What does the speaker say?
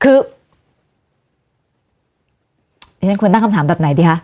คือเรียนคุณตั้งคำถามแบบไหนดีฮะ